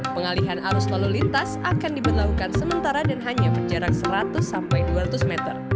pengalihan arus lalu lintas akan diberlakukan sementara dan hanya berjarak seratus sampai dua ratus meter